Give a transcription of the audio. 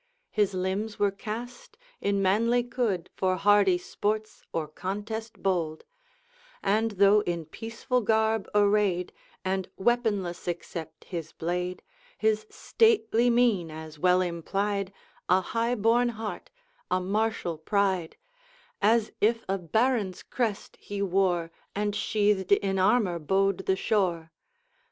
His limbs were cast in manly could For hardy sports or contest bold; And though in peaceful garb arrayed, And weaponless except his blade, His stately mien as well implied A high born heart, a martial pride, As if a baron's crest he wore, And sheathed in armor bode the shore.